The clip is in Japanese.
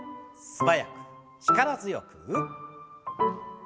素早く力強く。